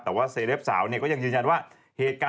แต่ว่าเศรษฐ์สาวเนี่ยก็ยังยืนยันว่า